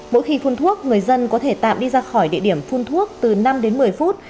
mỗi khi phun thuốc người dân có thể tạm đi ra khỏi địa điểm phun thuốc từ năm đến một mươi phút